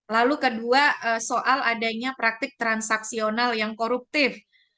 lalu kedua soal adanya praktik transaksional yang koruptif